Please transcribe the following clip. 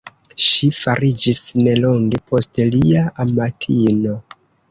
Ŝi fariĝis nelonge poste lia amatino.